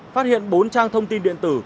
phát hiện bốn trang thông tin điện tử